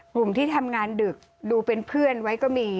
กลุ่มที่ทำงานดึกดูเป็นเพื่อนไว้ก็มี